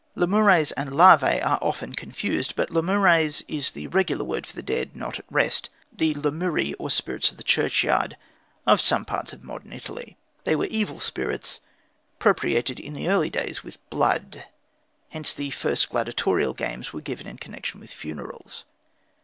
Lemures and Larvæ are often confused, but Lemures is the regular word for the dead not at rest the "Lemuri," or spirits of the churchyard, of some parts of modern Italy. They were evil spirits, propitiated in early days with blood. Hence the first gladiatorial games were given in connection with funerals.